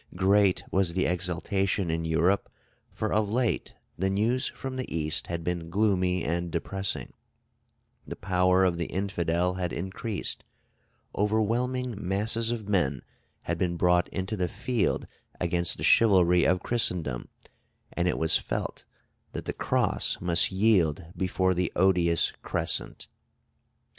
Great was the exultation in Europe, for of late the news from the East had been gloomy and depressing, the power of the infidel had increased, overwhelming masses of men had been brought into the field against the chivalry of Christendom, and it was felt that the cross must yield before the odious crescent.